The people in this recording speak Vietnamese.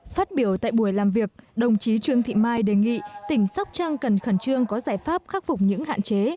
phát biểu tại buổi làm việc đồng chí trương thị mai đề nghị tỉnh sóc trăng cần khẩn trương có giải pháp khắc phục những hạn chế